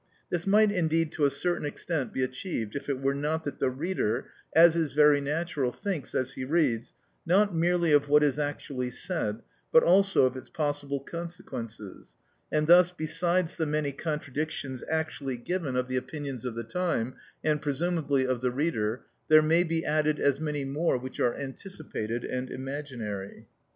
This might indeed to a certain extent be achieved if it were not that the reader, as is very natural, thinks, as he reads, not merely of what is actually said, but also of its possible consequences, and thus besides the many contradictions actually given of the opinions of the time, and presumably of the reader, there may be added as many more which are anticipated and imaginary.